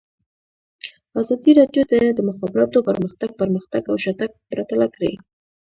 ازادي راډیو د د مخابراتو پرمختګ پرمختګ او شاتګ پرتله کړی.